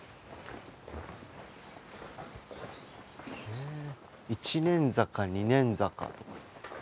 へえ一念坂二寧坂。